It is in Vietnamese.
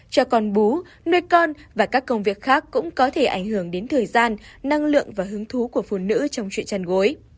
cho con bú nuôi con và các công việc khác cũng có thể ảnh hưởng đến thời gian năng lượng và hứng thú của phụ nữ trong chuyện chăn gối